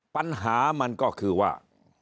ปัญหามันก็คือว่า